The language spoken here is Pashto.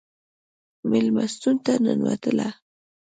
مېلمستون ته ننوتلو.